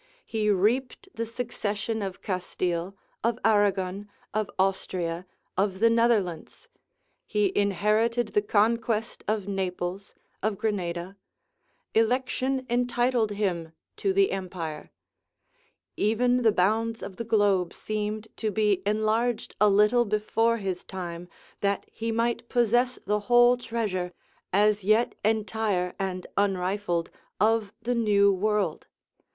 He reaped the succession of Castile, of Arragon, of Austria, of the Netherlands: he inherited the conquest of Naples, of Grenada: election entitled him to the empire: even the bounds of the globe seemed to be enlarged a little before his time, that he might possess the whole treasure, as yet entire and unrifled, of the new world.